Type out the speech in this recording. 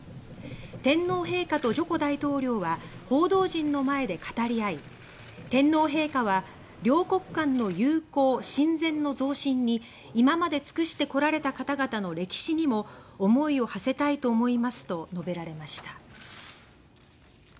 天皇陛下とジョコ大統領は報道陣の前で語り合い天皇陛下は、両国間の友好親善の増進に今まで尽くしてこられた方々の歴史にも思いをはせたいと思いますと述べられました。